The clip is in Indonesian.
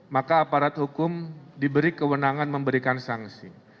maka aparat hukum diberi kewenangan memberikan sanksi